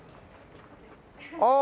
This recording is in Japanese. ああ！